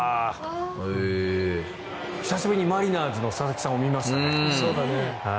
久しぶりにマリナーズの佐々木さんを見ましたね。